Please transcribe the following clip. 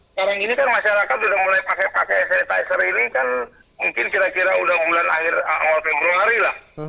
sekarang ini kan masyarakat sudah mulai pakai pakai hand sanitizer ini kan mungkin kira kira udah bulan awal februari lah